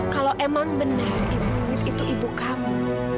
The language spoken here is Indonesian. kalau emang benar ibu itu ibu kamu